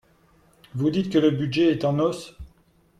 Vous dites que le budget est en hausse.